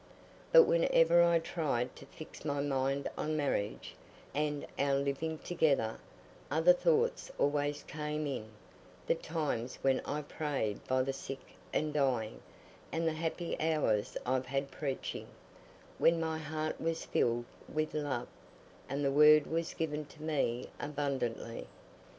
But whenever I tried to fix my mind on marriage, and our living together, other thoughts always came in—the times when I've prayed by the sick and dying, and the happy hours I've had preaching, when my heart was filled with love, and the Word was given to me abundantly.